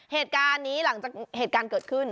เหตุการณ์นี้หลังจากเหตุการณ์เกิดขึ้น